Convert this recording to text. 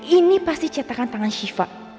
ini pasti cetakan tangan shiva